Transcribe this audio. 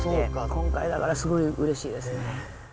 今回だからすごいうれしいですね。